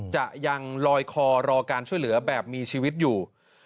จะยังลอยคอรอการช่วยเหลือแบบมีชีวิตอยู่